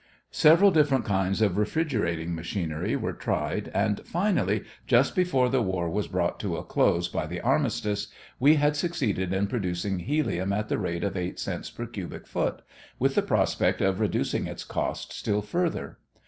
Several different kinds of refrigerating machinery were tried and finally just before the war was brought to a close by the armistice we had succeeded in producing helium at the rate of eight cents per cubic foot, with the prospect of reducing its cost still further.